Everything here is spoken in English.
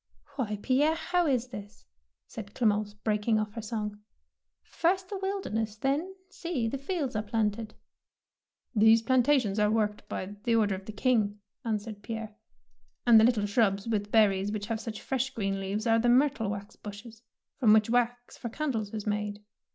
« Why, Pierre, how is this? said Clemence, breaking off her song ;" first the wilderness, then, see, the fields are planted !" These plantations are worked by the order of the King,'^ answered Pierre, and the little shrubs with ber ries which have such fresh green leaves are the myrtle wax bushes, from which wax for candles is made.